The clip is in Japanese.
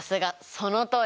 そのとおりです！